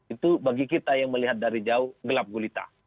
itu bagi kita yang melihat dari jauh gelap gulita